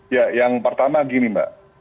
ya yang pertama gini mbak